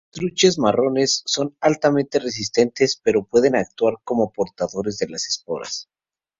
Las truchas marrones son altamente resistentes pero pueden actuar como portadores de las esporas.